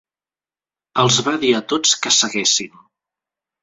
Els va dir a tots que seguessin.